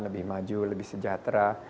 lebih maju lebih sejahtera